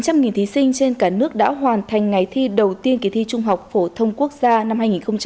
nhiều nghìn thí sinh trên cả nước đã hoàn thành ngày thi đầu tiên kỳ thi trung học phổ thông quốc gia năm hai nghìn một mươi sáu